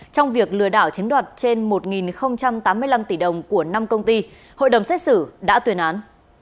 trong việc lừa đảo chiếm đoạt trên một tám mươi năm tỷ đồng của năm công ty hội đồng xét xử đã tuyên án